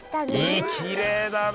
きれいだね。